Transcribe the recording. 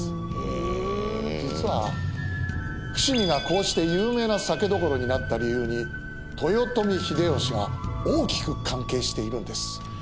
実は伏見がこうして有名な酒どころになった理由に豊臣秀吉が大きく関係しているんです。